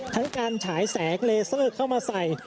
ทั้งการฉายแสงเลเซอร์เข้ามาใส่